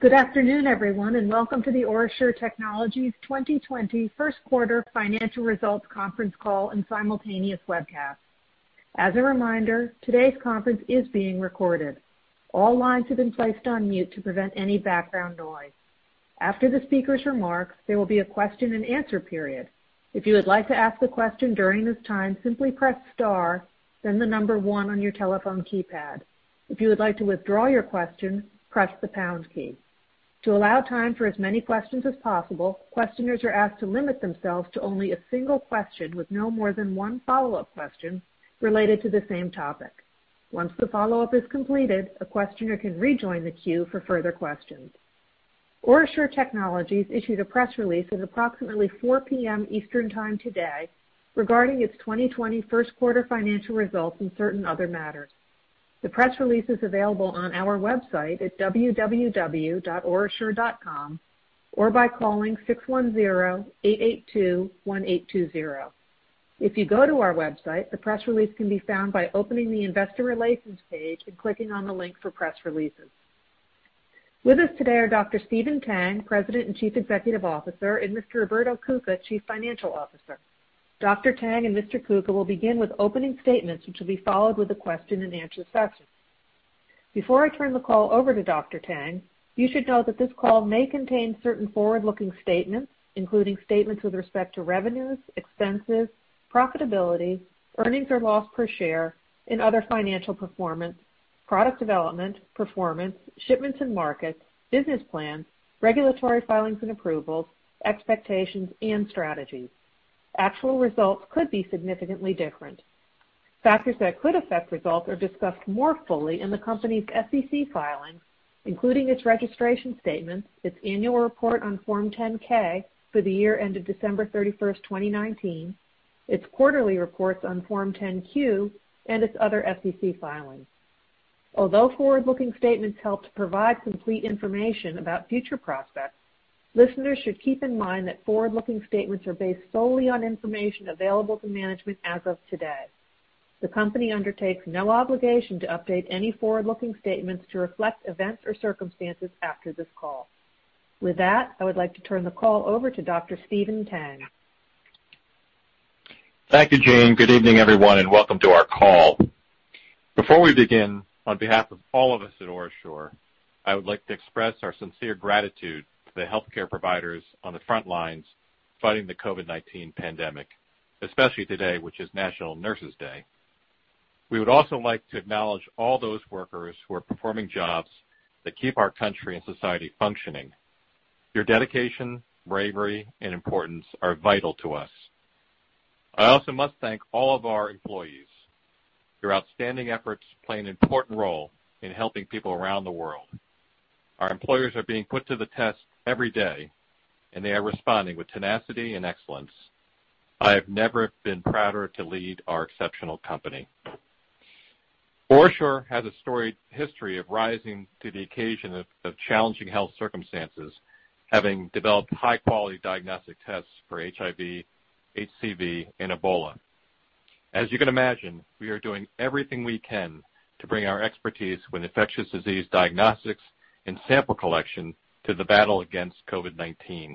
Good afternoon, everyone, welcome to the OraSure Technologies 2020 first quarter financial results conference call and simultaneous webcast. As a reminder, today's conference is being recorded. All lines have been placed on mute to prevent any background noise. After the speaker's remarks, there will be a question and answer period. If you would like to ask a question during this time, simply press star, then the number one on your telephone keypad. If you would like to withdraw your question, press the pound key. To allow time for as many questions as possible, questioners are asked to limit themselves to only a single question with no more than one follow-up question related to the same topic. Once the follow-up is completed, a questioner can rejoin the queue for further questions. OraSure Technologies issued a press release at approximately 4:00 P.M. Eastern Time today regarding its 2020 first quarter financial results and certain other matters. The press release is available on our website at www.orasure.com or by calling 610-882-1820. If you go to our website, the press release can be found by opening the investor relations page and clicking on the link for press releases. With us today are Dr. Stephen Tang, President and Chief Executive Officer, and Mr. Roberto Cuca, Chief Financial Officer. Dr. Tang and Mr. Cuca will begin with opening statements, which will be followed with a question and answer session. Before I turn the call over to Dr. Tang, you should know that this call may contain certain forward-looking statements, including statements with respect to revenues, expenses, profitability, earnings or loss per share, and other financial performance, product development, performance, shipments and markets, business plans, regulatory filings and approvals, expectations, and strategies. Actual results could be significantly different. Factors that could affect results are discussed more fully in the company's SEC filings, including its registration statements, its annual report on Form 10-K for the year end of December 31st, 2019, its quarterly reports on Form 10-Q, and its other SEC filings. Although forward-looking statements help to provide complete information about future prospects, listeners should keep in mind that forward-looking statements are based solely on information available to management as of today. The company undertakes no obligation to update any forward-looking statements to reflect events or circumstances after this call. With that, I would like to turn the call over to Dr. Stephen Tang. Thank you, Jane. Good evening, everyone, and welcome to our call. Before we begin, on behalf of all of us at OraSure, I would like to express our sincere gratitude to the healthcare providers on the front lines fighting the COVID-19 pandemic, especially today, which is National Nurses Day. We would also like to acknowledge all those workers who are performing jobs that keep our country and society functioning. Your dedication, bravery, and importance are vital to us. I also must thank all of our employees. Your outstanding efforts play an important role in helping people around the world. Our employees are being put to the test every day, and they are responding with tenacity and excellence. I have never been prouder to lead our exceptional company. OraSure has a storied history of rising to the occasion of challenging health circumstances, having developed high-quality diagnostic tests for HIV, HCV, and Ebola. As you can imagine, we are doing everything we can to bring our expertise with infectious disease diagnostics and sample collection to the battle against COVID-19.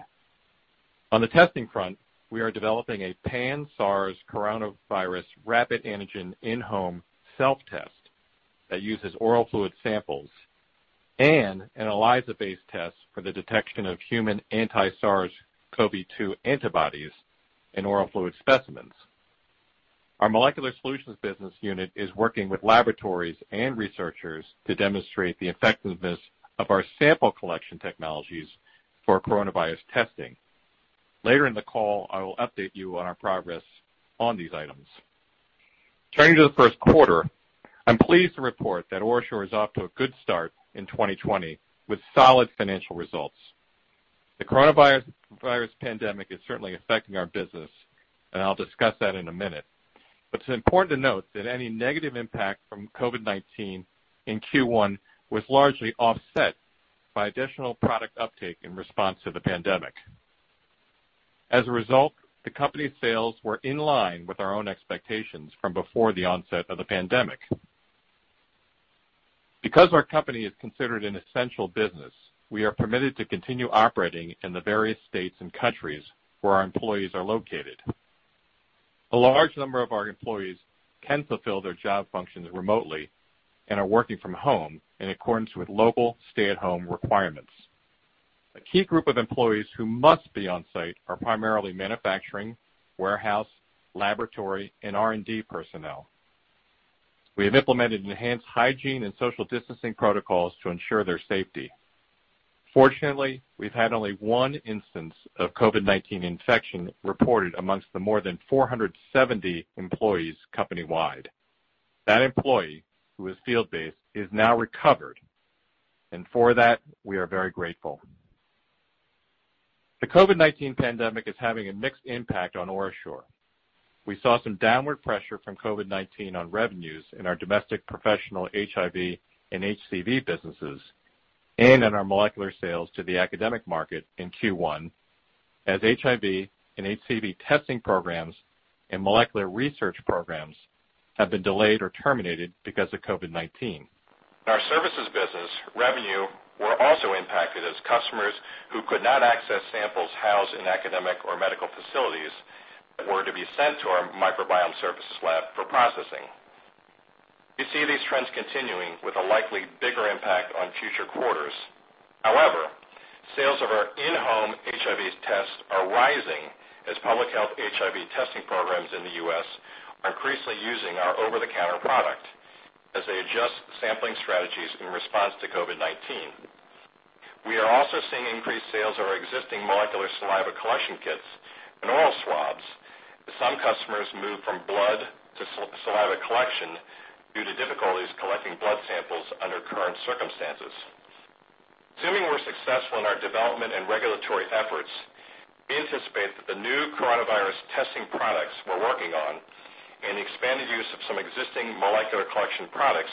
On the testing front, we are developing a pan-SARS coronavirus rapid antigen in-home self-test that uses oral fluid samples and an ELISA-based test for the detection of human anti-SARS-CoV-2 antibodies in oral fluid specimens. Our molecular solutions business unit is working with laboratories and researchers to demonstrate the effectiveness of our sample collection technologies for coronavirus testing. Later in the call, I will update you on our progress on these items. Turning to the first quarter, I'm pleased to report that OraSure is off to a good start in 2020 with solid financial results. The coronavirus pandemic is certainly affecting our business. I'll discuss that in a minute. It's important to note that any negative impact from COVID-19 in Q1 was largely offset by additional product uptake in response to the pandemic. As a result, the company's sales were in line with our own expectations from before the onset of the pandemic. Because our company is considered an essential business, we are permitted to continue operating in the various states and countries where our employees are located. A large number of our employees can fulfill their job functions remotely and are working from home in accordance with local stay-at-home requirements. A key group of employees who must be on-site are primarily manufacturing, warehouse, laboratory, and R&D personnel. We have implemented enhanced hygiene and social distancing protocols to ensure their safety. Fortunately, we've had only one instance of COVID-19 infection reported amongst the more than 470 employees company-wide. That employee, who is field-based, is now recovered, and for that, we are very grateful. The COVID-19 pandemic is having a mixed impact on OraSure. We saw some downward pressure from COVID-19 on revenues in our domestic professional HIV and HCV businesses and in our molecular sales to the academic market in Q1. HIV and HCV testing programs and molecular research programs have been delayed or terminated because of COVID-19. In our services business, revenue were also impacted as customers who could not access samples housed in academic or medical facilities that were to be sent to our microbiome services lab for processing. We see these trends continuing with a likely bigger impact on future quarters. Sales of our in-home HIV tests are rising as public health HIV testing programs in the U.S. are increasingly using our over-the-counter product as they adjust sampling strategies in response to COVID-19. We are also seeing increased sales of our existing molecular saliva collection kits and oral swabs as some customers move from blood to saliva collection due to difficulties collecting blood samples under current circumstances. Assuming we're successful in our development and regulatory efforts, we anticipate that the new coronavirus testing products we're working on and the expanded use of some existing molecular collection products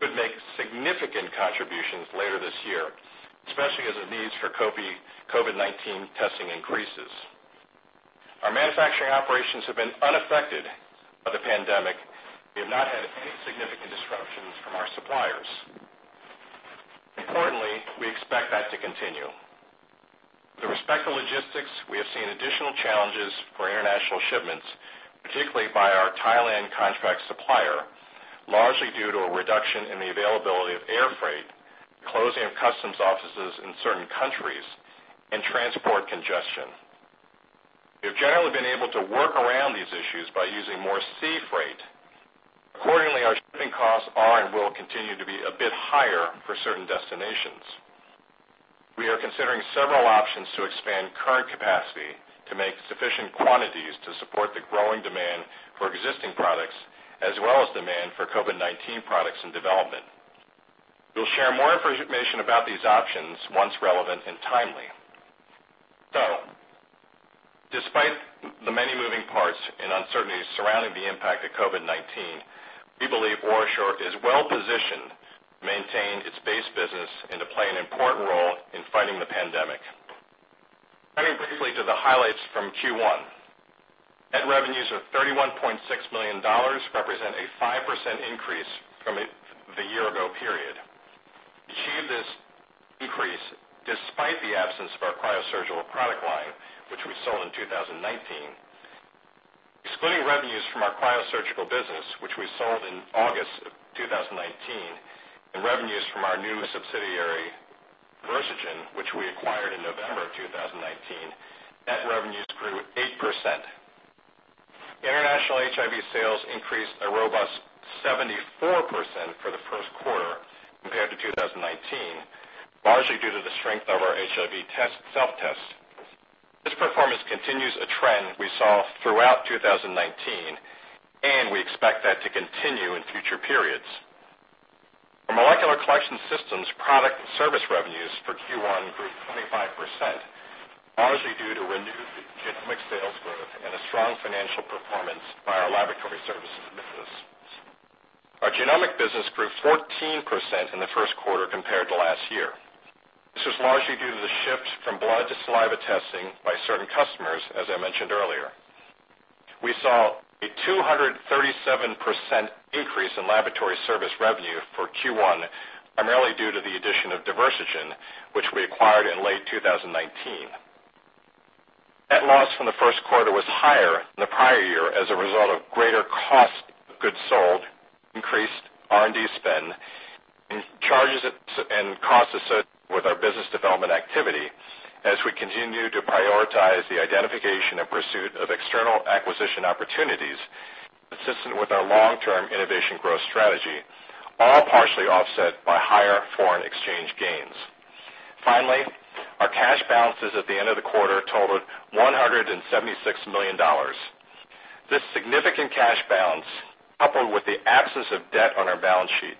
could make significant contributions later this year, especially as the needs for COVID-19 testing increases. Our manufacturing operations have been unaffected by the pandemic. We have not had any significant disruptions from our suppliers. Importantly, we expect that to continue. With respect to logistics, we have seen additional challenges for international shipments, particularly by our Thailand contract supplier, largely due to a reduction in the availability of air freight, closing of customs offices in certain countries, and transport congestion. We have generally been able to work around these issues by using more sea freight. Accordingly, our shipping costs are and will continue to be a bit higher for certain destinations. We are considering several options to expand current capacity to make sufficient quantities to support the growing demand for existing products, as well as demand for COVID-19 products in development. We'll share more information about these options once relevant and timely. Despite the many moving parts and uncertainties surrounding the impact of COVID-19, we believe OraSure is well positioned to maintain its base business and to play an important role in fighting the pandemic. Turning briefly to the highlights from Q1. Net revenues of $31.6 million represent a 5% increase from the year ago period. We achieved this increase despite the absence of our cryosurgical product line, which we sold in 2019. Excluding revenues from our cryosurgical business, which we sold in August of 2019, and revenues from our new subsidiary, Diversigen, which we acquired in November of 2019, net revenues grew 8%. International HIV sales increased a robust 74% for the first quarter compared to 2019, largely due to the strength of our HIV self-test. This performance continues a trend we saw throughout 2019, and we expect that to continue in future periods. Our molecular collection systems product and service revenues for Q1 grew 25%, largely due to renewed genomic sales growth and a strong financial performance by our laboratory services business. Our genomic business grew 14% in the first quarter compared to last year. This was largely due to the shift from blood to saliva testing by certain customers, as I mentioned earlier. We saw a 237% increase in laboratory service revenue for Q1, primarily due to the addition of Diversigen, which we acquired in late 2019. Net loss from the first quarter was higher than the prior year as a result of greater cost of goods sold, increased R&D spend, and charges and costs associated with our business development activity as we continue to prioritize the identification and pursuit of external acquisition opportunities consistent with our long-term innovation growth strategy, all partially offset by higher foreign exchange gains. Finally, our cash balances at the end of the quarter totaled $176 million. This significant cash balance, coupled with the absence of debt on our balance sheet,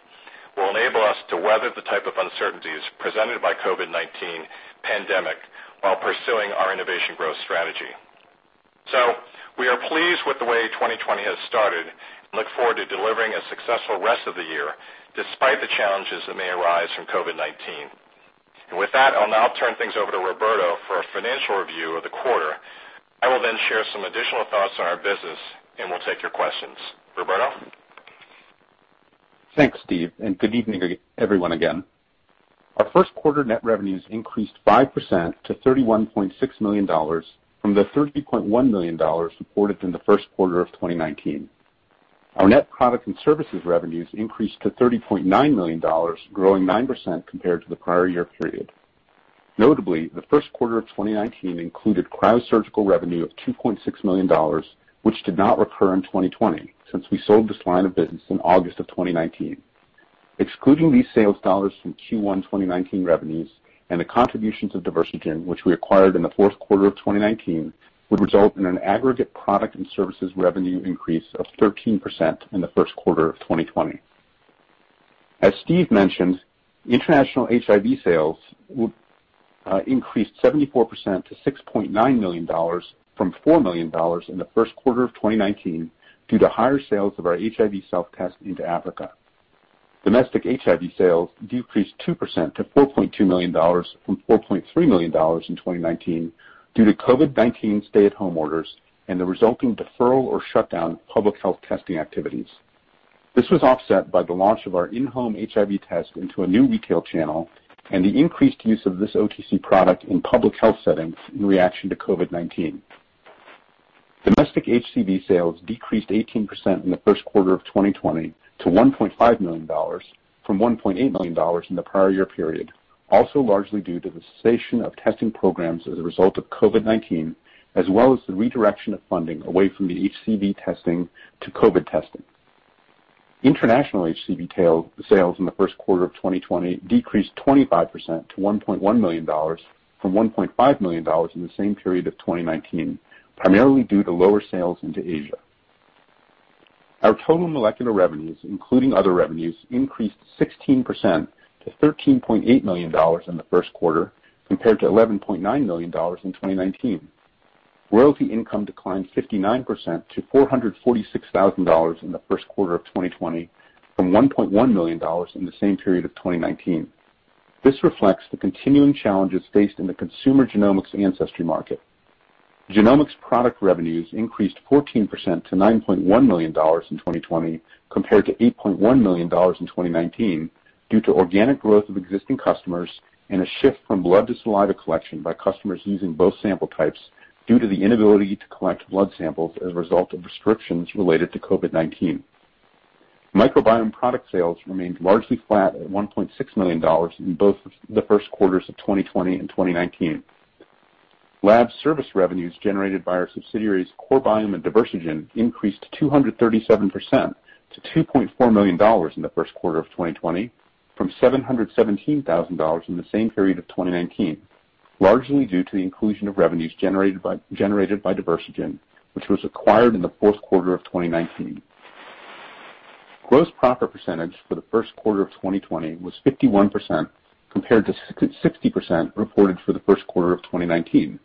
will enable us to weather the type of uncertainties presented by COVID-19 pandemic while pursuing our innovation growth strategy. We are pleased with the way 2020 has started and look forward to delivering a successful rest of the year, despite the challenges that may arise from COVID-19. With that, I'll now turn things over to Roberto for a financial review of the quarter. I will then share some additional thoughts on our business and we'll take your questions. Roberto? Thanks, Stephen. Good evening everyone again. Our first quarter net revenues increased 5% to $31.6 million from the $30.1 million reported in the first quarter of 2019. Our net product and services revenues increased to $30.9 million, growing 9% compared to the prior year period. Notably, the first quarter of 2019 included cryosurgical revenue of $2.6 million, which did not recur in 2020 since we sold this line of business in August of 2019. Excluding these sales dollars from Q1 2019 revenues and the contributions of Diversigen, which we acquired in the fourth quarter of 2019, would result in an aggregate product and services revenue increase of 13% in the first quarter of 2020. As Stephen mentioned, international HIV sales increased 74% to $6.9 million from $4 million in the first quarter of 2019 due to higher sales of our HIV self-test into Africa. Domestic HIV sales decreased 2% to $4.2 million from $4.3 million in 2019 due to COVID-19 stay-at-home orders and the resulting deferral or shutdown of public health testing activities. This was offset by the launch of our in-home HIV test into a new retail channel and the increased use of this OTC product in public health settings in reaction to COVID-19. Domestic HCV sales decreased 18% in the first quarter of 2020 to $1.5 million from $1.8 million in the prior year period, also largely due to the cessation of testing programs as a result of COVID-19, as well as the redirection of funding away from the HCV testing to COVID testing. International HCV sales in the first quarter of 2020 decreased 25% to $1.1 million from $1.5 million in the same period of 2019, primarily due to lower sales into Asia. Our total molecular revenues, including other revenues, increased 16% to $13.8 million in the first quarter, compared to $11.9 million in 2019. Royalty income declined 59% to $446,000 in the first quarter of 2020 from $1.1 million in the same period of 2019. This reflects the continuing challenges faced in the consumer genomics ancestry market. Genomics product revenues increased 14% to $9.1 million in 2020 compared to $8.1 million in 2019, due to organic growth of existing customers and a shift from blood to saliva collection by customers using both sample types due to the inability to collect blood samples as a result of restrictions related to COVID-19. Microbiome product sales remained largely flat at $1.6 million in both the first quarters of 2020 and 2019. Lab service revenues generated by our subsidiaries, CoreBiome and Diversigen, increased 237% to $2.4 million in the first quarter of 2020 from $717,000 in the same period of 2019, largely due to the inclusion of revenues generated by Diversigen, which was acquired in the fourth quarter of 2019. Gross profit percentage for the first quarter of 2020 was 51% compared to 60% reported for the first quarter of 2019.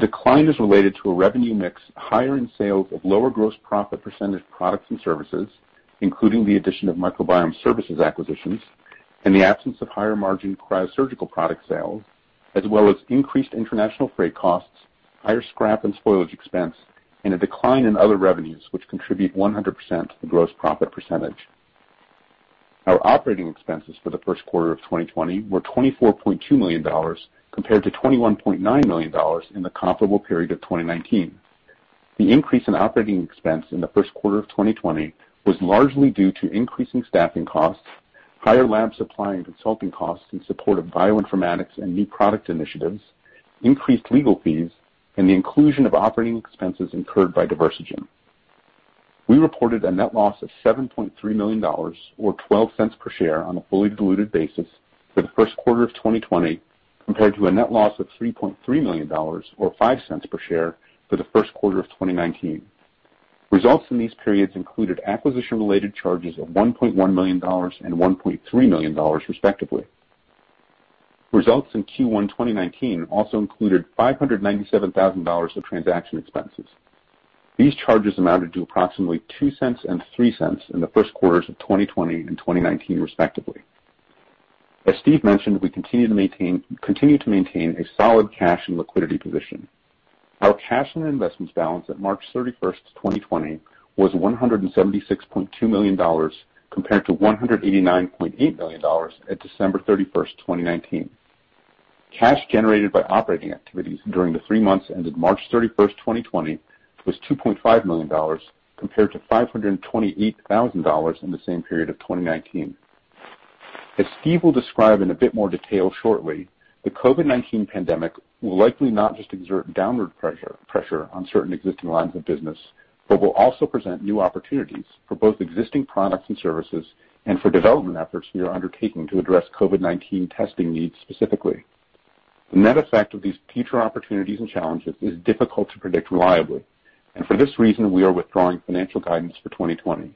The decline is related to a revenue mix higher in sales of lower gross profit percentage products and services, including the addition of microbiome services acquisitions in the absence of higher margin cryosurgical product sales, as well as increased international freight costs, higher scrap and spoilage expense, and a decline in other revenues which contribute 100% to the gross profit percentage. Our operating expenses for the first quarter of 2020 were $24.2 million, compared to $21.9 million in the comparable period of 2019. The increase in operating expense in the first quarter of 2020 was largely due to increasing staffing costs, higher lab supply and consulting costs in support of bioinformatics and new product initiatives, increased legal fees, and the inclusion of operating expenses incurred by Diversigen. We reported a net loss of $7.3 million or $0.12 per share on a fully diluted basis for the first quarter of 2020, compared to a net loss of $3.3 million or $0.05 per share for the first quarter of 2019. Results in these periods included acquisition-related charges of $1.1 million and $1.3 million, respectively. Results in Q1 2019 also included $597,000 of transaction expenses. These charges amounted to approximately $0.02 and $0.03 in the first quarters of 2020 and 2019, respectively. As Stephen mentioned, we continue to maintain a solid cash and liquidity position. Our cash and investments balance at March 31st, 2020, was $176.2 million, compared to $189.8 million at December 31st, 2019. Cash generated by operating activities during the three months ended March 31st, 2020, was $2.5 million, compared to $528,000 in the same period of 2019. As Stephen will describe in a bit more detail shortly, the COVID-19 pandemic will likely not just exert downward pressure on certain existing lines of business, but will also present new opportunities for both existing products and services and for development efforts we are undertaking to address COVID-19 testing needs specifically. The net effect of these future opportunities and challenges is difficult to predict reliably. For this reason, we are withdrawing financial guidance for 2020.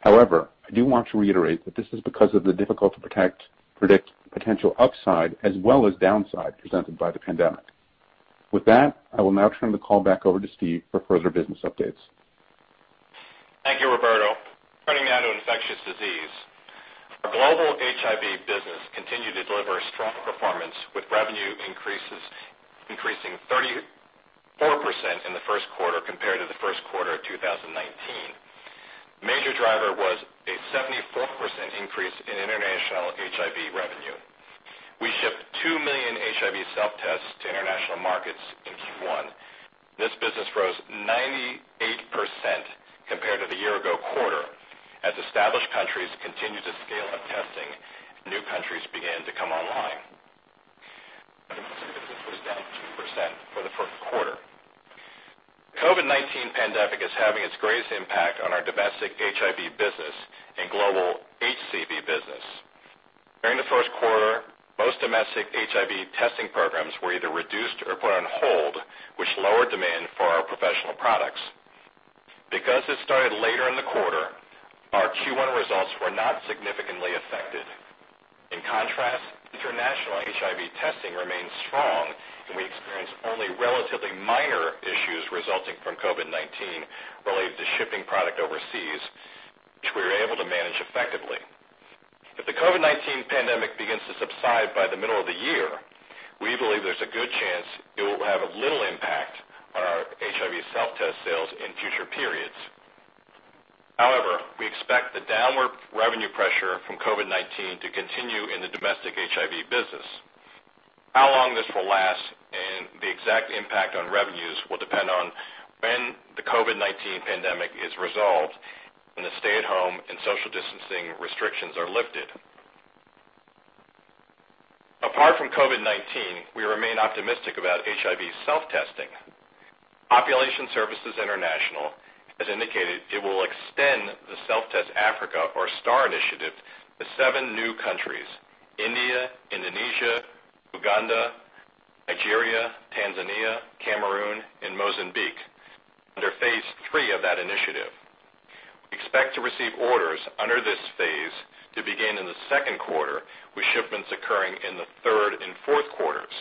However, I do want to reiterate that this is because of the difficult to predict potential upside as well as downside presented by the pandemic. With that, I will now turn the call back over to Stephen for further business updates. Thank you, Roberto. Turning now to infectious disease. Our global HIV business continued to deliver a strong performance, with revenue increasing 34% in the first quarter compared to the first quarter of 2019. Major driver was a 74% increase in international HIV revenue. We shipped two million HIV self-tests to international markets in Q1. This business rose 98% compared to the year ago quarter, as established countries continued to scale up testing, new countries began to come online. Domestic business was down 2% for the first quarter. The COVID-19 pandemic is having its greatest impact on our domestic HIV business and global HCV business. During the first quarter, most domestic HIV testing programs were either reduced or put on hold, which lowered demand for our professional products. Because this started later in the quarter, our Q1 results were not significantly affected. International HIV testing remains strong, and we experienced only relatively minor issues resulting from COVID-19 related to shipping product overseas, which we were able to manage effectively. If the COVID-19 pandemic begins to subside by the middle of the year, we believe there's a good chance it will have little impact on our HIV self-test sales in future periods. However, we expect the downward revenue pressure from COVID-19 to continue in the domestic HIV business. How long this will last and the exact impact on revenues will depend on when the COVID-19 pandemic is resolved and the stay-at-home and social distancing restrictions are lifted. Apart from COVID-19, we remain optimistic about HIV self-testing. Population Services International has indicated it will extend the Self-Testing Africa, or STAR Initiative, to seven new countries, India, Indonesia, Uganda, Nigeria, Tanzania, Cameroon, and Mozambique, under phase three of that initiative. We expect to receive orders under this phase to begin in the second quarter, with shipments occurring in the third and fourth quarters.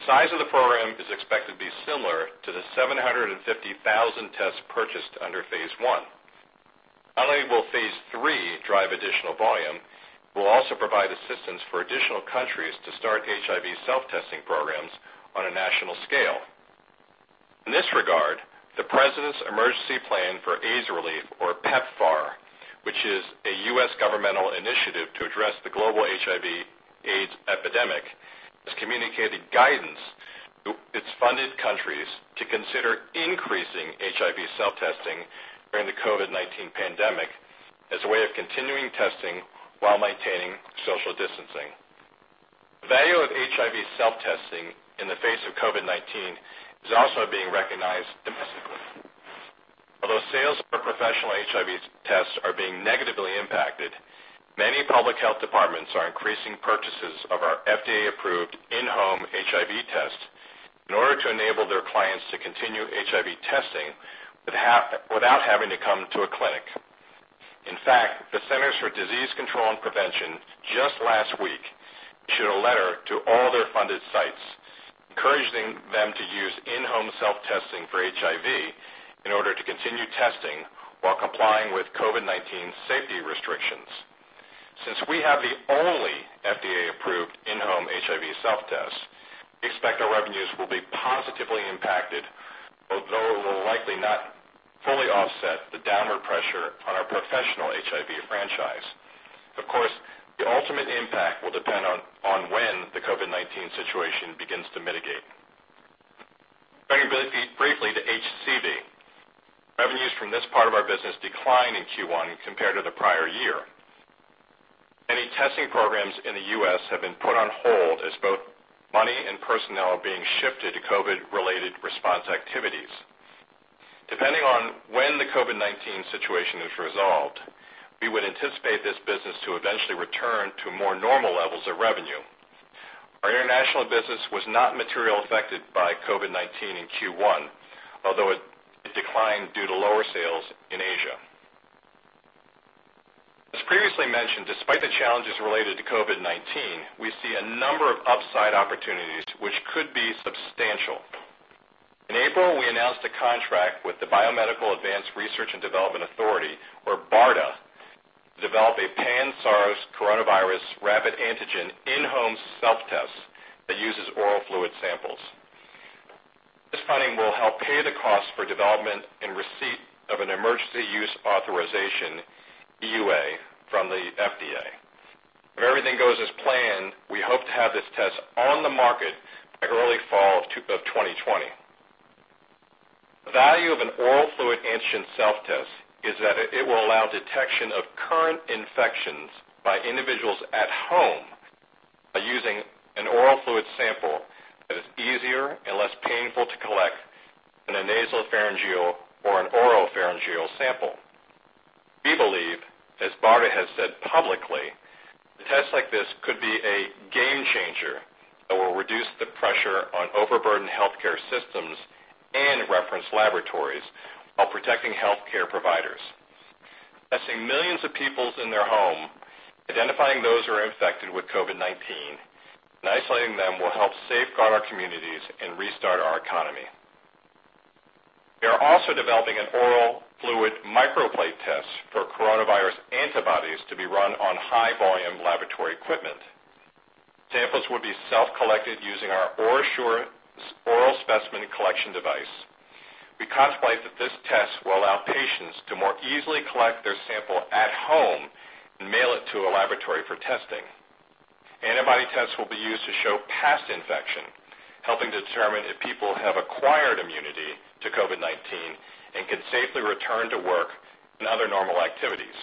The size of the program is expected to be similar to the 750,000 tests purchased under phase one. Not only will phase three drive additional volume, but will also provide assistance for additional countries to start HIV self-testing programs on a national scale. In this regard, the President's Emergency Plan for AIDS Relief, or PEPFAR, which is a U.S. governmental initiative to address the global HIV AIDS epidemic, has communicated guidance to its funded countries to consider increasing HIV self-testing during the COVID-19 pandemic as a way of continuing testing while maintaining social distancing. The value of HIV self-testing in the face of COVID-19 is also being recognized domestically. Although sales for professional HIV tests are being negatively impacted, many public health departments are increasing purchases of our FDA-approved in-home HIV test in order to enable their clients to continue HIV testing without having to come to a clinic. In fact, the Centers for Disease Control and Prevention just last week issued a letter to all their funded sites, encouraging them to use in-home self-testing for HIV in order to continue testing while complying with COVID-19 safety restrictions. Since we have the only FDA-approved in-home HIV self-test, we expect our revenues will be positively impacted, although it will likely not fully offset the downward pressure on our professional HIV franchise. Of course, the ultimate impact will depend on when the COVID-19 situation begins to mitigate. Turning briefly to HCV. Revenues from this part of our business declined in Q1 compared to the prior year. Many testing programs in the U.S. have been put on hold as both money and personnel are being shifted to COVID-related response activities. Depending on when the COVID-19 situation is resolved, we would anticipate this business to eventually return to more normal levels of revenue. Our international business was not materially affected by COVID-19 in Q1, although it declined due to lower sales in Asia. As previously mentioned, despite the challenges related to COVID-19, we see a number of upside opportunities which could be substantial. In April, we announced a contract with the Biomedical Advanced Research and Development Authority, or BARDA, to develop a pan-SARS coronavirus rapid antigen in-home self-test that uses oral fluid samples. This funding will help pay the cost for development and receipt of an emergency use authorization, EUA, from the FDA. If everything goes as planned, we hope to have this test on the market by early fall of 2020. The value of an oral fluid antigen self-test is that it will allow detection of current infections by individuals at home by using an oral fluid sample that is easier and less painful to collect than a nasopharyngeal or an oropharyngeal sample. We believe, as BARDA has said publicly, that tests like this could be a game changer that will reduce the pressure on overburdened healthcare systems and reference laboratories while protecting healthcare providers. Testing millions of people in their home, identifying those who are infected with COVID-19, and isolating them will help safeguard our communities and restart our economy. We are also developing an oral fluid microplate test for coronavirus antibodies to be run on high-volume laboratory equipment. Samples would be self-collected using our OraSure oral specimen collection device. We contemplate that this test will allow patients to more easily collect their sample at home and mail it to a laboratory for testing. Antibody tests will be used to show past infection, helping to determine if people have acquired immunity to COVID-19 and can safely return to work and other normal activities.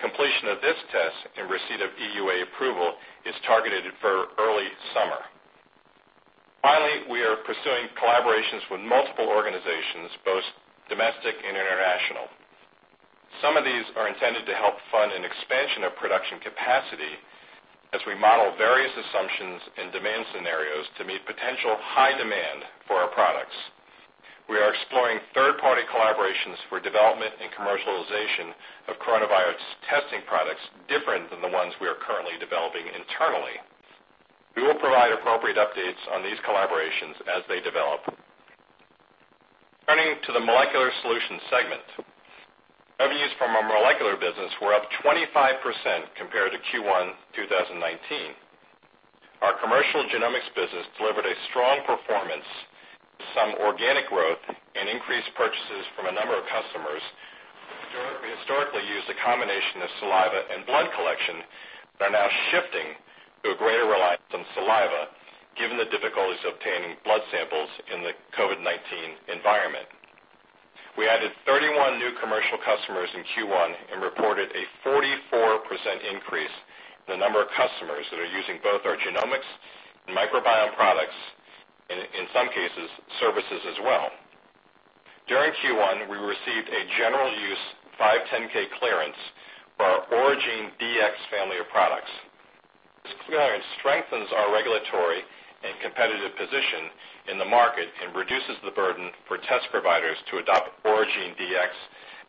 Completion of this test and receipt of EUA approval is targeted for early summer. Finally, we are pursuing collaborations with multiple organizations, both domestic and international. Some of these are intended to help fund an expansion of production capacity as we model various assumptions and demand scenarios to meet potential high demand for our products. We are exploring third-party collaborations for development and commercialization of coronavirus testing products different than the ones we are currently developing internally. We will provide appropriate updates on these collaborations as they develop. Turning to the molecular solutions segment, revenues from our molecular business were up 25% compared to Q1 2019. Our commercial genomics business delivered a strong performance with some organic growth and increased purchases from a number of customers who historically used a combination of saliva and blood collection, but are now shifting to a greater reliance on saliva given the difficulties obtaining blood samples in the COVID-19 environment. We added 31 new commercial customers in Q1 and reported a 44% increase in the number of customers that are using both our genomics and microbiome products, in some cases, services as well. During Q1, we received a general use 510 clearance for our Oragene•Dx family of products. This clearance strengthens our regulatory and competitive position in the market and reduces the burden for test providers to adopt Oragene•Dx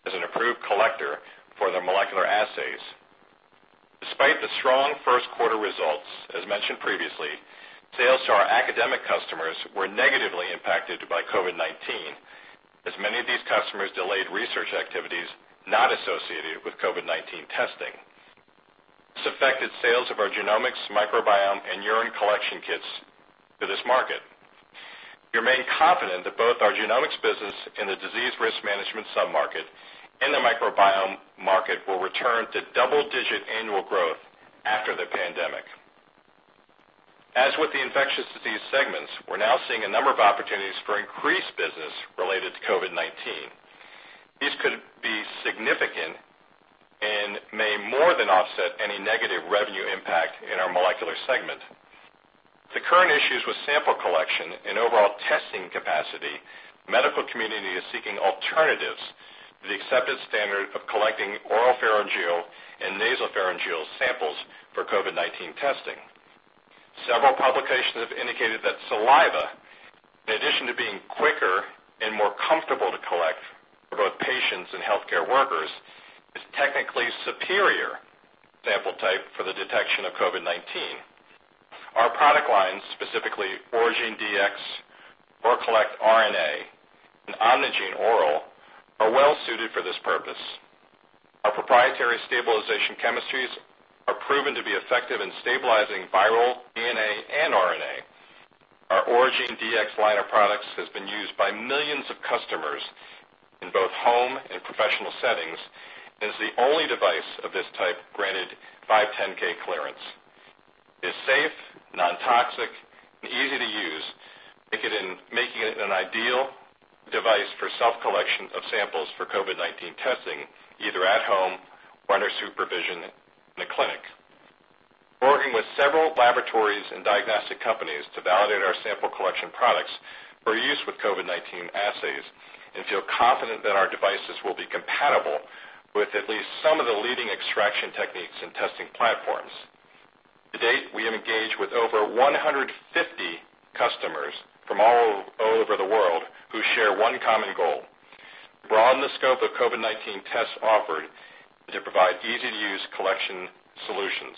as an approved collector for their molecular assays. Despite the strong first quarter results, as mentioned previously, sales to our academic customers were negatively impacted by COVID-19, as many of these customers delayed research activities not associated with COVID-19 testing. This affected sales of our genomics, microbiome, and urine collection kits to this market. We remain confident that both our genomics business and the disease risk management sub-market and the microbiome market will return to double-digit annual growth after the pandemic. As with the infectious disease segments, we're now seeing a number of opportunities for increased business related to COVID-19. These could be significant and may more than offset any negative revenue impact in our molecular segment. The current issues with sample collection and overall testing capacity, the medical community is seeking alternatives to the accepted standard of collecting oropharyngeal and nasopharyngeal samples for COVID-19 testing. Several publications have indicated that saliva, in addition to being quicker and more comfortable to collect for both patients and healthcare workers, is technically superior sample type for the detection of COVID-19. Our product lines, specifically Oragene•Dx, ORAcollect•RNA, and OMNIgene•ORAL, are well-suited for this purpose. Our proprietary stabilization chemistries are proven to be effective in stabilizing viral DNA and RNA. Our Oragene•Dx line of products has been used by millions of customers in both home and professional settings and is the only device of this type granted 510 clearance, is safe, non-toxic, and easy to use, making it an ideal device for self-collection of samples for COVID-19 testing, either at home or under supervision in a clinic. We're working with several laboratories and diagnostic companies to validate our sample collection products for use with COVID-19 assays and feel confident that our devices will be compatible with at least some of the leading extraction techniques and testing platforms. To date, we have engaged with over 150 customers from all over the world who share one common goal: broaden the scope of COVID-19 tests offered and to provide easy-to-use collection solutions.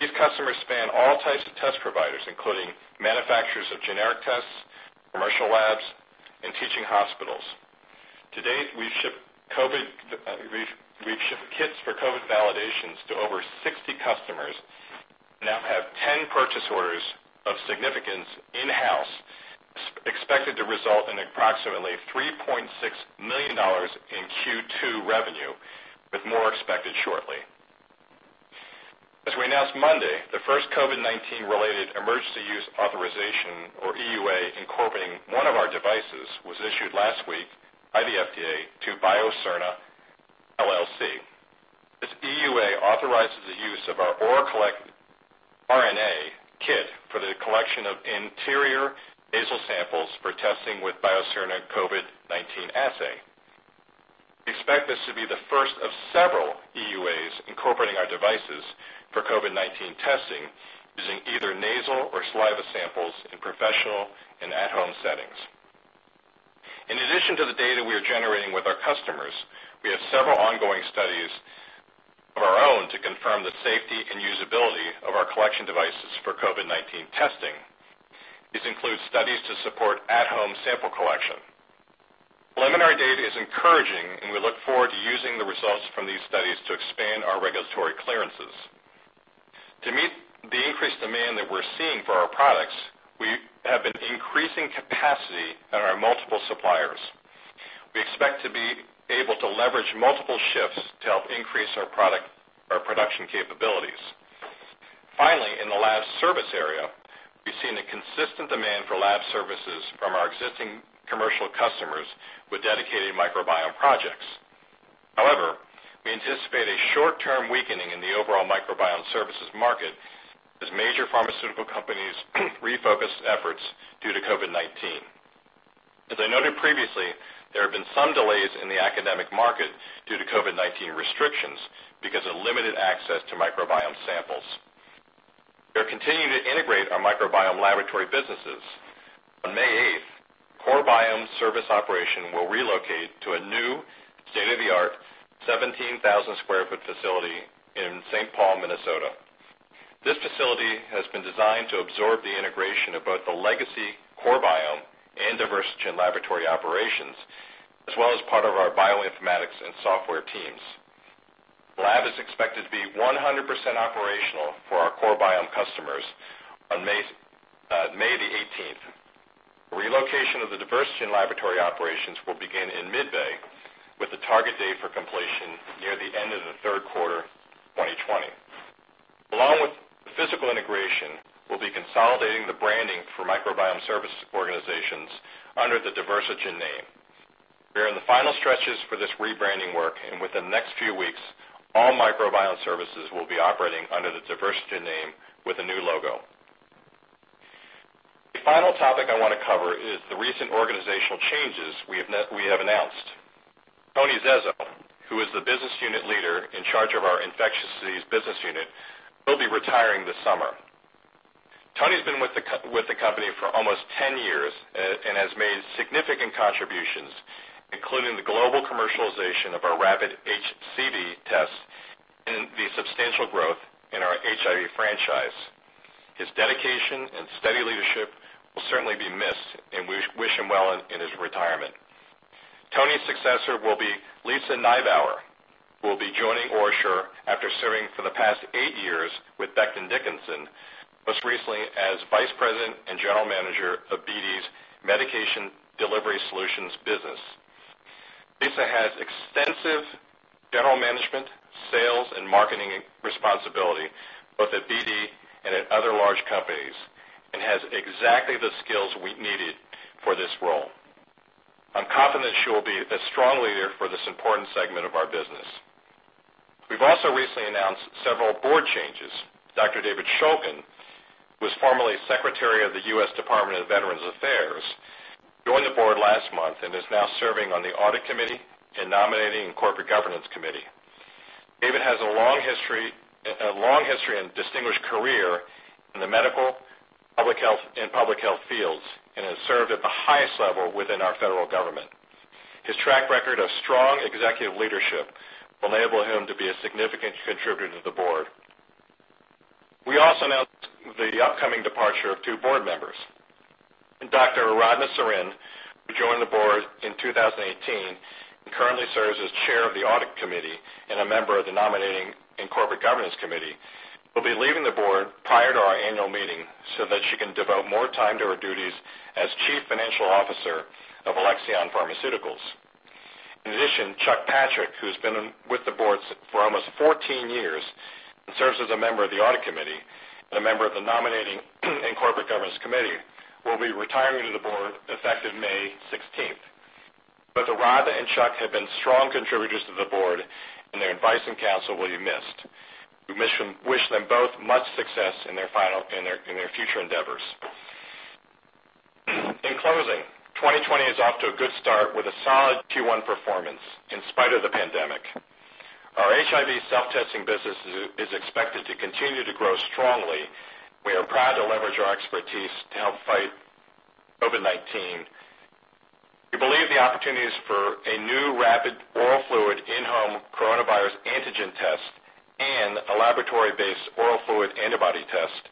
These customers span all types of test providers, including manufacturers of generic tests, commercial labs, and teaching hospitals. To date, we've shipped kits for COVID validations to over 60 customers and now have 10 purchase orders of significance in-house, expected to result in approximately $3.6 million in Q2 revenue, with more expected shortly. As we announced Monday, the first COVID-19-related emergency use authorization or EUA incorporating one of our devices was issued last week by the FDA to Biocerna LLC. This EUA authorizes the use of our ORAcollect•RNA kit for the collection of interior nasal samples for testing with Biocerna COVID-19 assay. We expect this to be the first of several EUAs incorporating our devices for COVID-19 testing using either nasal or saliva samples in professional and at-home settings. In addition to the data we are generating with our customers, we have several ongoing studies of our own to confirm the safety and usability of our collection devices for COVID-19 testing. These include studies to support at-home sample collection. Preliminary data is encouraging, and we look forward to using the results from these studies to expand our regulatory clearances. To meet the increased demand that we're seeing for our products, we have been increasing capacity at our multiple suppliers. We expect to be able to leverage multiple shifts to help increase our production capabilities. Finally, in the lab service area, we've seen a consistent demand for lab services from our existing commercial customers with dedicated microbiome projects. However, we anticipate a short-term weakening in the overall microbiome services market as major pharmaceutical companies refocus efforts due to COVID-19. As I noted previously, there have been some delays in the academic market due to COVID-19 restrictions because of limited access to microbiome samples. We are continuing to integrate our microbiome laboratory businesses. On May 8th, CoreBiome service operation will relocate to a new state-of-the-art 17,000 sq ft facility in St. Paul, Minnesota. This facility has been designed to absorb the integration of both the legacy CoreBiome and Diversigen laboratory operations, as well as part of our bioinformatics and software teams. Lab is expected to be 100% operational for our CoreBiome customers on May the 18th. Relocation of the Diversigen laboratory operations will begin in mid-May with a target date for completion near the end of the third quarter 2020. Along with the physical integration, we'll be consolidating the branding for microbiome service organizations under the Diversigen name. We are in the final stretches for this rebranding work, and within the next few weeks, all microbiome services will be operating under the Diversigen name with a new logo. The final topic I want to cover is the recent organizational changes we have announced. Tony Zezzo, who is the Business Unit Leader in charge of our Infectious Disease business unit, will be retiring this summer. Tony's been with the company for almost 10 years and has made significant contributions, including the global commercialization of our rapid HCV test and the substantial growth in our HIV franchise. His dedication and steady leadership will certainly be missed, and we wish him well in his retirement. Tony's successor will be Lisa Nibauer, who will be joining OraSure after serving for the past eight years with Becton Dickinson, most recently as Vice President and General Manager of BD's Medication Delivery Solutions business. Lisa has extensive general management, sales, and marketing responsibility, both at BD and at other large companies, and has exactly the skills we needed for this role. I'm confident she will be a strong leader for this important segment of our business. We've also recently announced several board changes. Dr. David Shulkin, who was formerly Secretary of the U.S. Department of Veterans Affairs, joined the board last month and is now serving on the audit committee and nominating and corporate governance committee. David has a long history and distinguished career in the medical and public health fields and has served at the highest level within our federal government. His track record of strong executive leadership will enable him to be a significant contributor to the board. We also announced the upcoming departure of two board members. Dr. Aradhana Sarin, who joined the board in 2018 and currently serves as chair of the Audit Committee and a member of the Nominating and Corporate Governance Committee, will be leaving the board prior to our annual meeting so that she can devote more time to her duties as Chief Financial Officer of Alexion Pharmaceuticals. Chuck Patrick, who's been with the board for almost 14 years and serves as a member of the Audit Committee and a member of the Nominating and Corporate Governance Committee, will be retiring from the board effective May 16th. Both Aradhana and Chuck have been strong contributors to the board, and their advice and counsel will be missed. We wish them both much success in their future endeavors. In closing, 2020 is off to a good start with a solid Q1 performance in spite of the pandemic. Our HIV self-testing business is expected to continue to grow strongly. We are proud to leverage our expertise to help fight COVID-19. We believe the opportunities for a new rapid oral fluid in-home coronavirus antigen test and a laboratory-based oral fluid antibody test,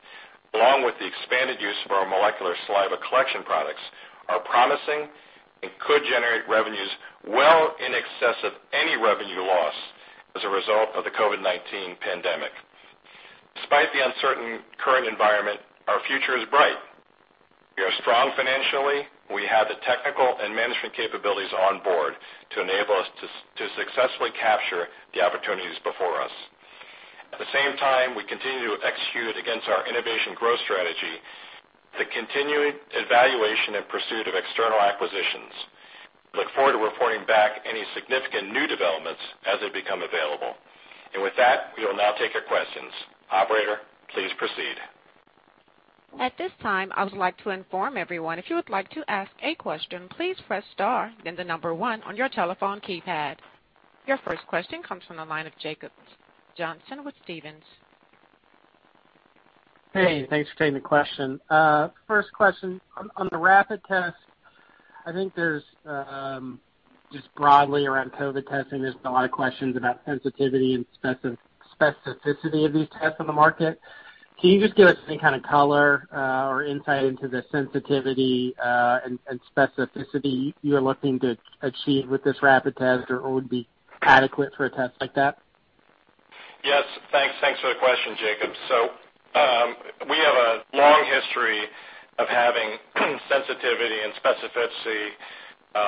along with the expanded use for our molecular saliva collection products, are promising and could generate revenues well in excess of any revenue loss as a result of the COVID-19 pandemic. Despite the uncertain current environment, our future is bright. We are strong financially. We have the technical and management capabilities on board to enable us to successfully capture the opportunities before us. At the same time, we continue to execute against our innovation growth strategy, the continued evaluation and pursuit of external acquisitions. Look forward to reporting back any significant new developments as they become available. With that, we will now take your questions. Operator, please proceed. At this time, I would like to inform everyone if you would like to ask a question, please press star then the number one on your telephone keypad. Your first question comes from the line of Jacob Johnson with Stephens. Hey, thanks for taking the question. First question, on the rapid test, just broadly around COVID testing, there's a lot of questions about sensitivity and specificity of these tests on the market. Can you just give us any kind of color or insight into the sensitivity and specificity you're looking to achieve with this rapid test, or would be adequate for a test like that? Yes. Thanks for the question, Jacob. We have a long history of having sensitivity and specificity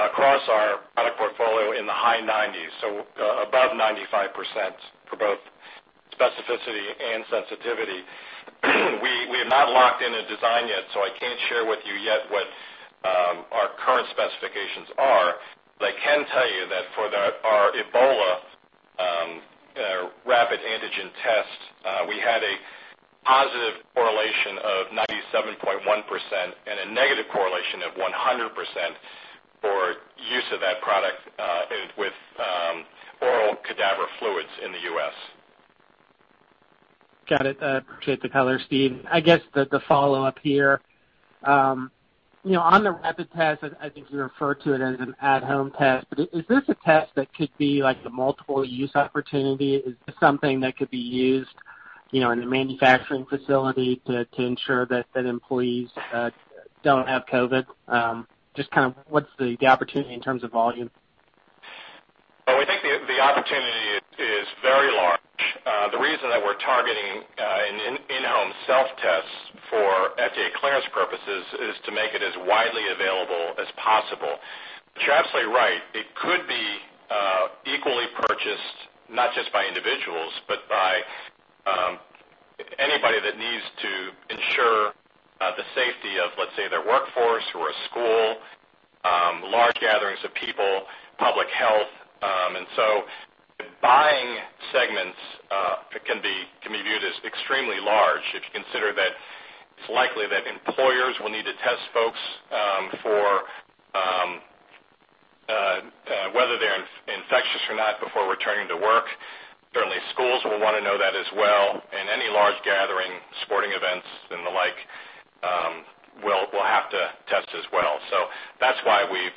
across our product portfolio in the high 90%s, so above 95% for both specificity and sensitivity. We have not locked in a design yet, so I can't share with you yet what our current specifications are. I can tell you that for our Ebola rapid antigen test, we had a positive correlation of 97.1% and a negative correlation of 100% for use of that product with fluids in the U.S. Got it. Appreciate the color, Stephen. I guess the follow-up here, on the rapid test, I think you refer to it as an at-home test, but is this a test that could be a multiple-use opportunity? Is this something that could be used in a manufacturing facility to ensure that employees don't have COVID? Just kind of what's the opportunity in terms of volume? Well, we think the opportunity is very large. The reason that we're targeting an in-home self-test for FDA clearance purposes is to make it as widely available as possible. You're absolutely right, it could be equally purchased not just by individuals, but by anybody that needs to ensure the safety of, let's say, their workforce or a school, large gatherings of people, public health. The buying segments can be viewed as extremely large if you consider that it's likely that employers will need to test folks for whether they're infectious or not before returning to work. Certainly, schools will want to know that as well. Any large gathering, sporting events and the like, will have to test as well. That's why we've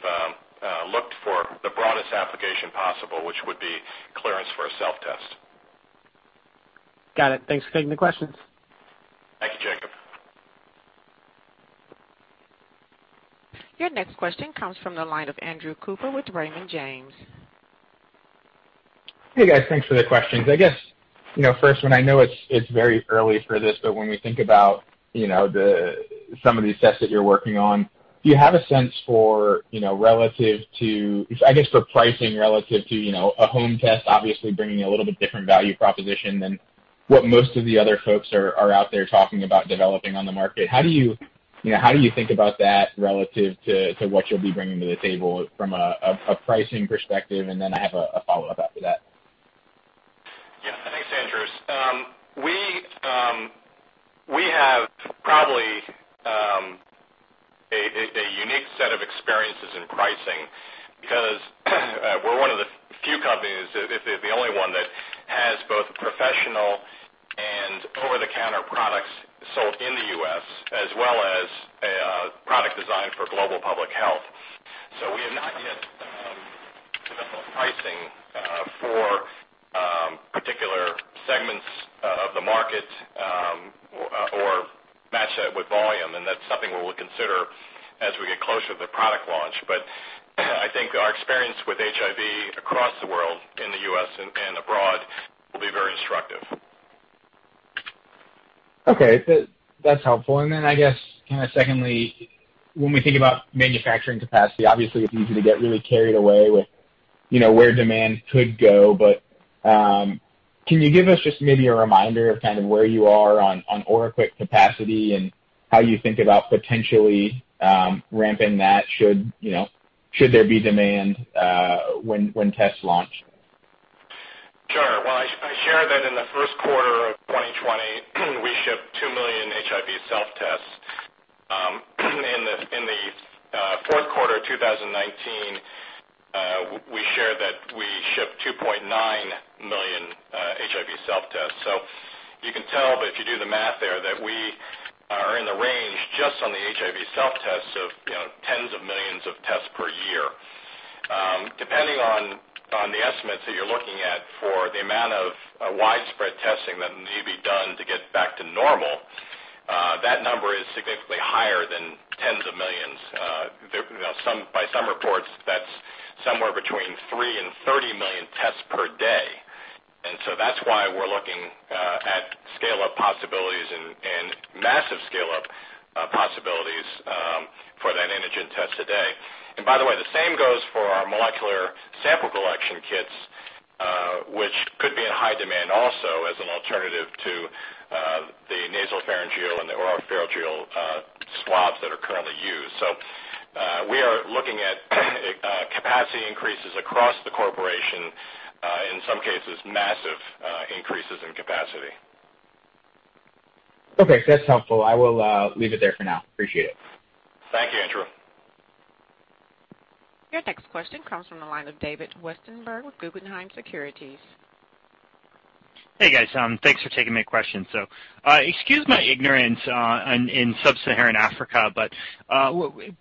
looked for the broadest application possible, which would be clearance for a self-test. Got it. Thanks for taking the questions. Thank you, Jacob. Your next question comes from the line of Andrew Cooper with Raymond James. Hey, guys. Thanks for the questions. I guess first one, I know it's very early for this, but when we think about some of the tests that you're working on, do you have a sense for pricing relative to a home test, obviously bringing a little bit different value proposition than what most of the other folks are out there talking about developing on the market. How do you think about that relative to what you'll be bringing to the table from a pricing perspective? I have a follow-up after that. Thanks, Andrew. We have probably a unique set of experiences in pricing because we're one of the few companies, if the only one, that has both professional and over-the-counter products sold in the U.S. as well as a product designed for global public health. We have not yet done enough pricing for particular segments of the market or match that with volume, and that's something we'll consider as we get closer to the product launch. I think our experience with HIV across the world, in the U.S. and abroad, will be very instructive. Okay. That's helpful. I guess, secondly, when we think about manufacturing capacity, obviously it's easy to get really carried away with where demand could go. Can you give us just maybe a reminder of kind of where you are on OraQuick capacity and how you think about potentially ramping that should there be demand when tests launch? Sure. Well, I shared that in the first quarter of 2020, we shipped two million HIV self-tests. In the fourth quarter of 2019, we shared that we shipped 2.9 million HIV self-tests. You can tell that if you do the math there, that we are in the range just on the HIV self-tests of tens of millions of tests per year. Depending on the estimates that you're looking at for the amount of widespread testing that may be done to get back to normal, that number is significantly higher than tens of millions. By some reports, that's somewhere between three million and 30 million tests per day, that's why we're looking at scale-up possibilities and massive scale-up possibilities for that antigen test today. By the way, the same goes for our molecular sample collection kits, which could be in high demand also as an alternative to the nasopharyngeal and the oropharyngeal swabs that are currently used. We are looking at capacity increases across the corporation, in some cases, massive increases in capacity. Okay. That's helpful. I will leave it there for now. Appreciate it. Thank you, Andrew. Your next question comes from the line of David Westenberg with Guggenheim Securities. Hey, guys. Thanks for taking my question. Excuse my ignorance in Sub-Saharan Africa, but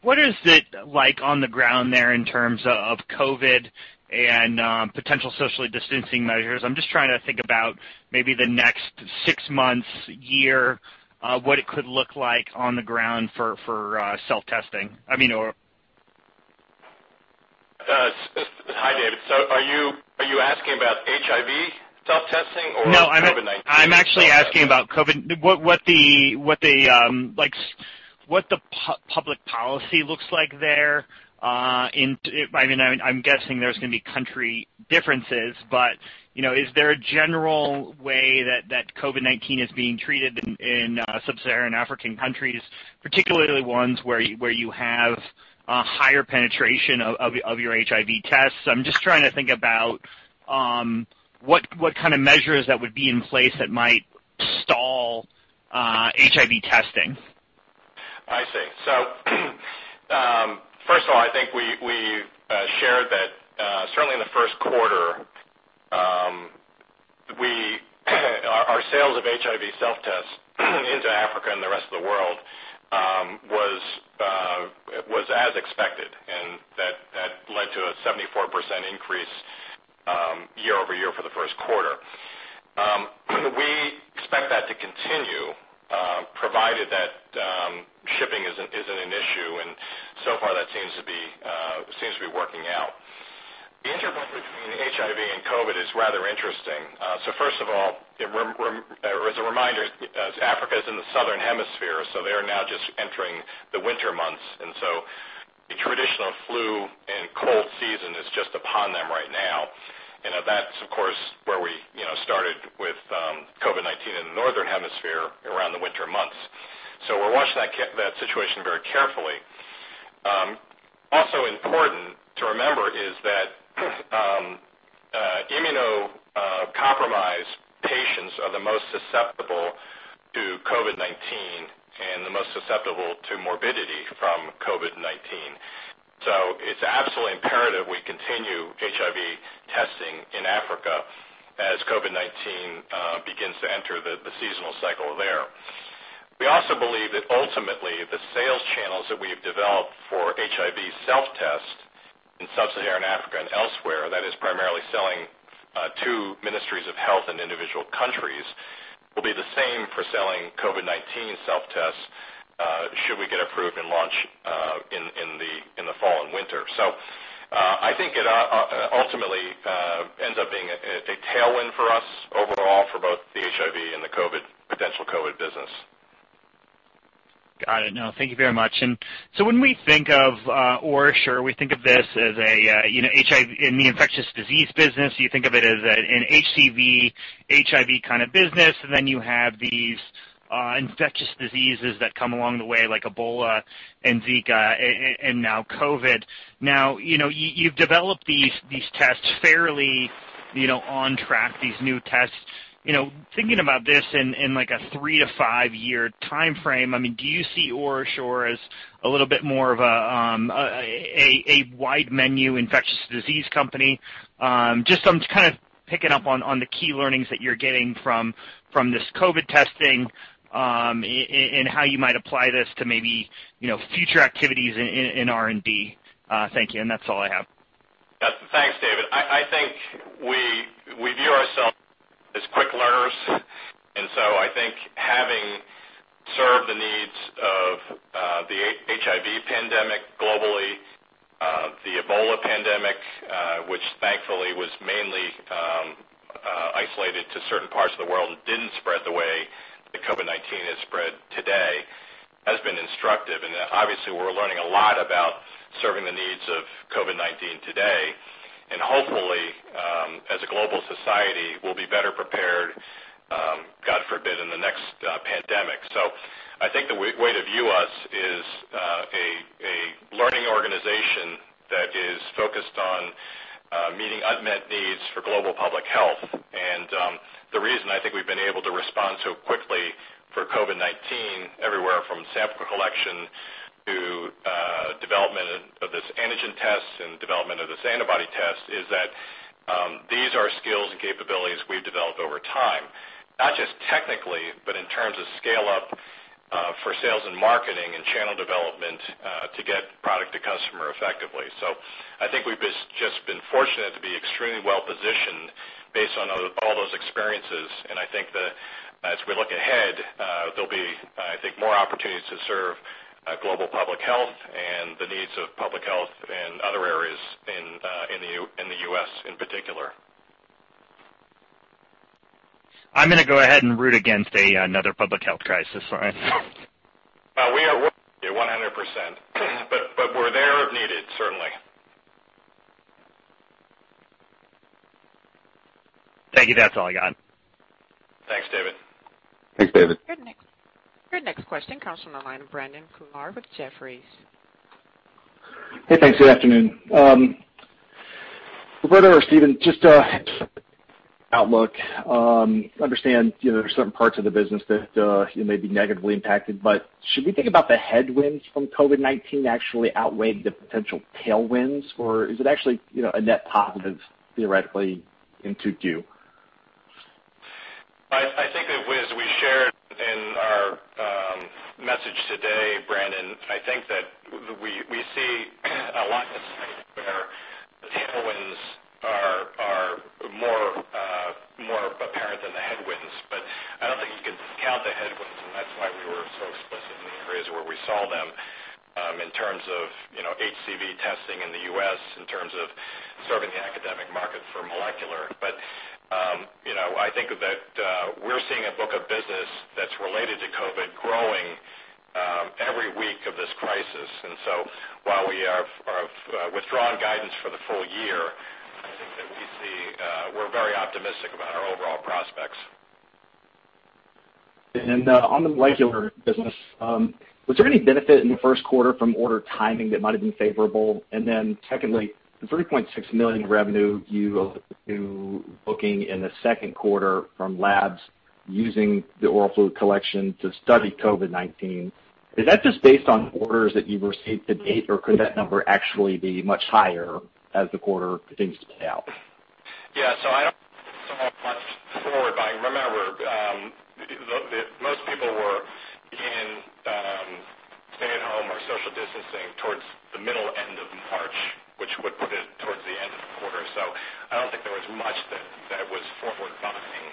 what is it like on the ground there in terms of COVID and potential social distancing measures? I'm just trying to think about maybe the next six months, year, what it could look like on the ground for self-testing. I mean. Hi, David. Are you asking about HIV self-testing or COVID-19 self-testing? No, I'm actually asking about what the public policy looks like there in I mean, I'm guessing there's going to be country differences, but is there a general way that COVID-19 is being treated in Sub-Saharan African countries, particularly ones where you have a higher penetration of your HIV tests? I'm just trying to think about what kind of measures that would be in place that might. I see. First of all, I think we've shared that certainly in the first quarter, our sales of HIV self-tests into Africa and the rest of the world was as expected, and that led to a 74% increase year-over-year for the first quarter. We expect that to continue, provided that shipping isn't an issue, and so far that seems to be working out. The interplay between HIV and COVID-19 is rather interesting. First of all, as a reminder, as Africa's in the southern hemisphere, so they are now just entering the winter months. The traditional flu and cold season is just upon them right now. That's, of course, where we started with COVID-19 in the northern hemisphere around the winter months. We're watching that situation very carefully. Also important to remember is that immunocompromised patients are the most susceptible to COVID-19 and the most susceptible to morbidity from COVID-19. It's absolutely imperative we continue HIV testing in Africa as COVID-19 begins to enter the seasonal cycle there. We also believe that ultimately the sales channels that we have developed for HIV self-test in Sub-Saharan Africa and elsewhere, that is primarily selling to ministries of health in individual countries, will be the same for selling COVID-19 self-tests, should we get approved and launch in the fall and winter. I think it ultimately ends up being a tailwind for us overall for both the HIV and the potential COVID business. Got it. Thank you very much. When we think of OraSure, we think of this as in the infectious disease business, you think of it as an HCV, HIV kind of business, and then you have these infectious diseases that come along the way, like Ebola and Zika and now COVID. You've developed these tests fairly on track, these new tests. Thinking about this in like a three to five year timeframe, do you see OraSure as a little bit more of a wide menu infectious disease company? Just I'm kind of picking up on the key learnings that you're getting from this COVID testing, and how you might apply this to maybe future activities in R&D. Thank you, and that's all I have. Thanks, David. I think we view ourselves as quick learners. I think having served the needs of the HIV pandemic globally, the Ebola pandemic, which thankfully was mainly isolated to certain parts of the world and didn't spread the way that COVID-19 has spread today, has been instructive. Obviously we're learning a lot about serving the needs of COVID-19 today. Hopefully, as a global society, we'll be better prepared, God forbid, in the next pandemic. I think the way to view us is a learning organization that is focused on meeting unmet needs for global public health. The reason I think we've been able to respond so quickly for COVID-19 everywhere from sample collection to development of this antigen test and development of this antibody test is that these are skills and capabilities we've developed over time, not just technically, but in terms of scale up for sales and marketing and channel development to get product to customer effectively. I think we've just been fortunate to be extremely well-positioned based on all those experiences. I think that as we look ahead, there'll be, I think, more opportunities to serve global public health and the needs of public health in other areas in the U.S. in particular. I'm going to go ahead and root against another public health crisis. We are with you 100%, but we're there if needed, certainly. Thank you. That's all I got. Thanks, David. Thanks, David. Your next question comes from the line of Brandon Couillard with Jefferies. Hey, thanks. Good afternoon. Roberto or Stephen, just outlook. I understand there's certain parts of the business that may be negatively impacted. Should we think about the headwinds from COVID-19 actually outweigh the potential tailwinds, or is it actually a net positive theoretically in 2Q? I think that as we shared in our message today, Brandon, I think that we see a lot in this space where the tailwinds are more apparent than the headwinds. I don't think you can discount the headwinds. That's why we were so explicit in the areas where we saw them, in terms of HCV testing in the U.S., in terms of serving the academic market for molecular. I think that we're seeing a book of business that's related to COVID growing every week of this crisis. While we have withdrawn guidance for the full year, I think that we're very optimistic about our overall prospects. On the molecular business, was there any benefit in the first quarter from order timing that might've been favorable? Secondly, the $3.6 million revenue you alluded to booking in the second quarter from labs using the oral fluid collection to study COVID-19, is that just based on orders that you've received to date, or could that number actually be much higher as the quarter continues to play out? Yeah, I don't see so much forward buying. Remember, most people were in stay at home or social distancing towards the middle end of March, which would put it towards the end of the quarter. I don't think there was much that was forward buying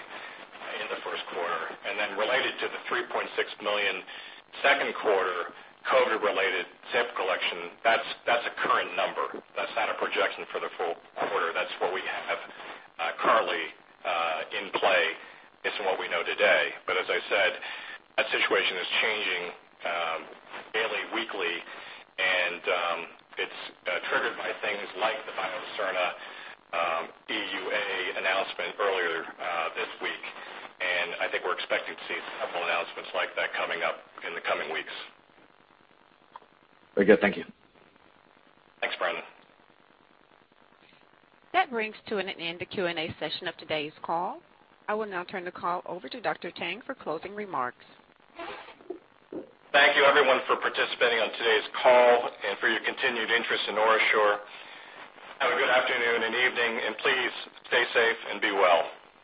in the first quarter. Related to the 3.6 million second quarter COVID-related sample collection, that's a current number. That's not a projection for the full quarter. That's what we have currently in play based on what we know today. As I said, that situation is changing daily, weekly, and it's triggered by things like the Biocerna EUA announcement earlier this week, and I think we're expecting to see several announcements like that coming up in the coming weeks. Very good. Thank you. Thanks, Brandon. That brings to an end the Q&A session of today's call. I will now turn the call over to Dr. Tang for closing remarks. Thank you everyone for participating on today's call and for your continued interest in OraSure. Have a good afternoon and evening, and please stay safe and be well.